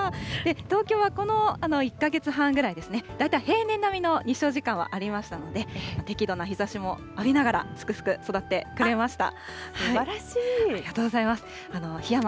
東京はこの１か月半ぐらい、大体平年並みの日照時間はありましたので、適度な日ざしもありながらすくすく育ってくれました。